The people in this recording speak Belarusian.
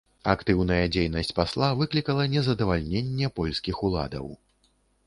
Актыўная дзейнасць пасла выклікала незадавальненне польскіх уладаў.